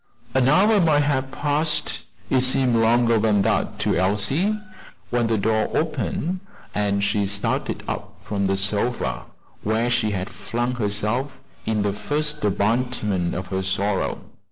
An hour might have passed it seemed longer than that to Elsie when the door opened, and she started up from the sofa, where she had flung herself in the first abandonment of her sorrow.